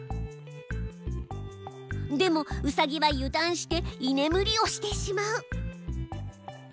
でもうさぎは油断していねむりをしてしまう。